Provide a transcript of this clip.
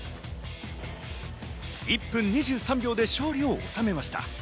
１分２３秒で勝利を収めました。